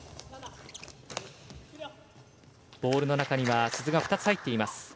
ボールの中には鈴が２つ入っています。